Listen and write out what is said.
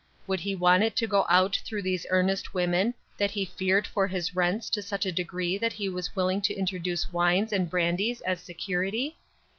Would he want it to go out through these earnest women that he feared for his rents to such a degree that he was willing to introduce wines and brandies as security